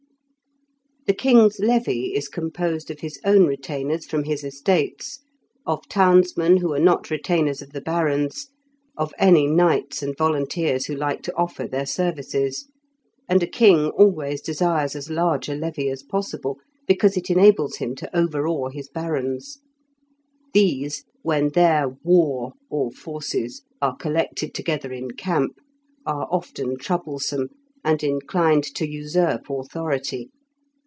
The king's levy is composed of his own retainers from his estates, of townsmen, who are not retainers of the barons, of any knights and volunteers who like to offer their services; and a king always desires as large a levy as possible, because it enables him to overawe his barons. These, when their "war", or forces, are collected together in camp, are often troublesome, and inclined to usurp authority.